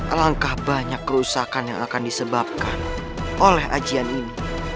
alangkah banyak kerusakan yang akan disebabkan oleh ajian ini